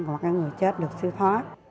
hoặc là người chết được sưu thoát